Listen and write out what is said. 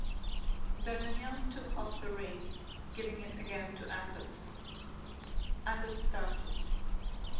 D'Artagnan took off the ring, giving it again to Athos. Athos started.